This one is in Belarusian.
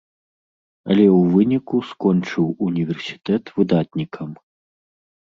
Але ў выніку скончыў універсітэт выдатнікам.